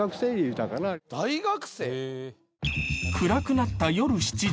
［暗くなった夜７時。